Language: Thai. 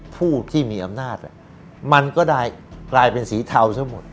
ผู้ที่มีอำนาจมันก็ได้กลายเป็นสีเทาซะหมด